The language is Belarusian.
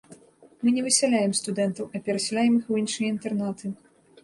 Мы не высяляем студэнтаў, а перасяляем іх у іншыя інтэрнаты.